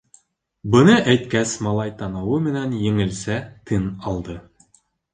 Быны әйткәс, малай танауы менән еңелсә тын алды.